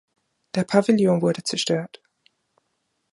Der Pavillon wurde zerstört.